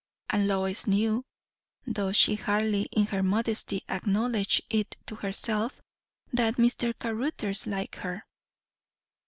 And Lois knew, though she hardly in her modesty acknowledged it to herself, that Mr. Caruthers liked her.